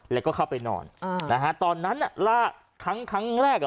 แล้วก็เข้าไปนอนอ่านะฮะตอนนั้นน่ะลากครั้งครั้งแรกอ่ะ